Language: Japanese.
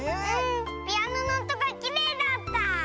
ピアノのおとがきれいだった。